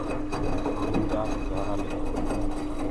همريٚ جآت گھِيآرآ لِکو۔